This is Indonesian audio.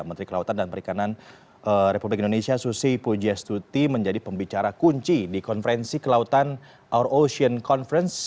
menteri kelautan dan perikanan republik indonesia susi pujastuti menjadi pembicara kunci di konferensi kelautan our ocean conference